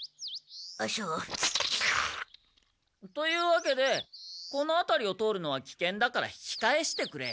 あっそう？というわけでこのあたりを通るのはきけんだから引き返してくれ。